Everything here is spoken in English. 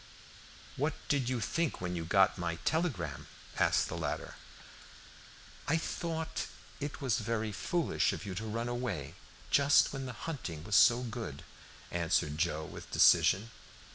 "What did you think when you got my telegram?" asked the latter. "I thought it was very foolish of you to run away just when the hunting was so good," answered Joe with decision.